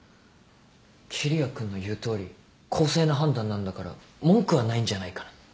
桐矢君の言うとおり公正な判断なんだから文句はないんじゃないかな？